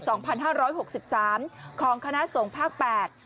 พันห้าร้อยหกสิบสามของคณะสงฆ์ภาคแปด